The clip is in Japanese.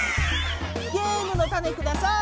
ゲームのタネください！